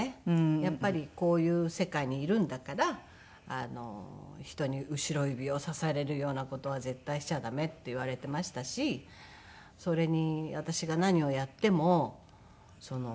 やっぱりこういう世界にいるんだから人に後ろ指をさされるような事は絶対しちゃ駄目って言われていましたしそれに私が何をやっても褒める事がなかったので。